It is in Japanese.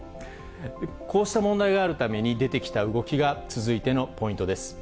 こうした問題があるために、出てきた動きが続いてのポイントです。